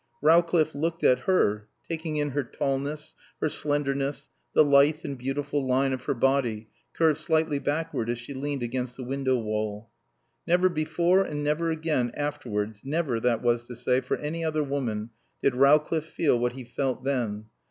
Rowcliffe looked at her, taking in her tallness, her slenderness, the lithe and beautiful line of her body, curved slightly backward as she leaned against the window wall. Never before and never again, afterwards, never, that was to say, for any other woman, did Rowcliffe feel what he felt then.